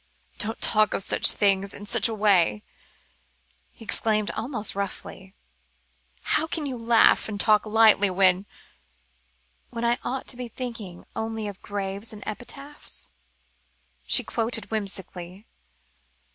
"Don't talk of such things in such a way," he exclaimed almost roughly. "How can you laugh and talk lightly, when " "When I ought to be thinking only of 'graves and epitaphs'?" she quoted whimsically.